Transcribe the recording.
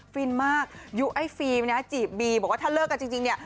ฟินมากยุคไอ้ฟิล์มนะจีบบีบอกว่าถ้าเลิกกันจริงเนี่ย